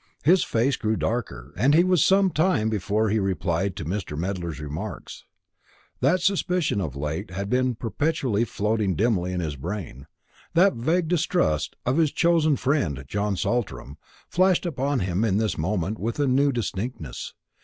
His face grew darker, and he was some time before he replied to Mr. Medler's remarks. That suspicion which of late had been perpetually floating dimly in his brain that vague distrust of his one chosen friend, John Saltram, flashed upon him in this moment with a new distinctness.